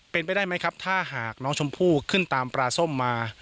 เป็นไปได้ไหมครับถ้าหากน้องชมพู่ขึ้นตามปลาส้มมา